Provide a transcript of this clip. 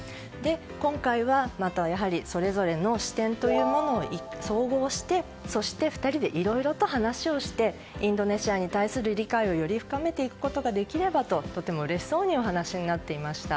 今回はやはり、それぞれの視点というものを総合してそして２人でいろいろと話をしてインドネシアに対する理解をより深めていくことができればととてもうれしそうにお話になっていました。